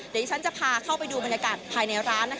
เดี๋ยวจะพาเข้าในบรรยากาศภายในร้านนะคะ